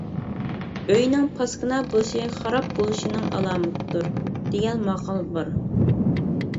«ئۆينىڭ پاسكىنا بولۇشى خاراب بولۇشىنىڭ ئالامىتىدۇر» دېگەن ماقال بار.